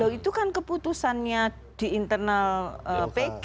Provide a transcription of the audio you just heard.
itu kan keputusannya di internal pg